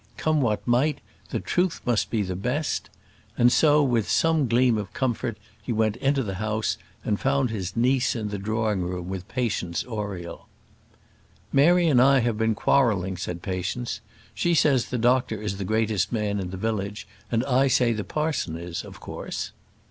Come what might, the truth must be the best. And so, with some gleam of comfort, he went into the house, and found his niece in the drawing room with Patience Oriel. "Mary and I have been quarrelling," said Patience. "She says the doctor is the greatest man in a village; and I say the parson is, of course."